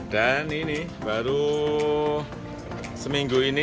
dan ini baru seminggu ini